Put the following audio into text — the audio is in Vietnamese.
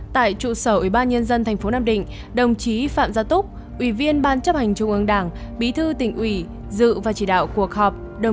tại trụ sở ủy ban nhân dân tp nam định đồng chí phạm gia túc ủy viên ban chấp hành trung ương đảng bí thư tỉnh ủy dự và chỉ đạo cuộc họp